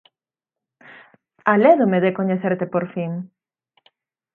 Alédome de coñecerte por fin.